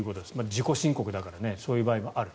自己申告だからそういう場合もある。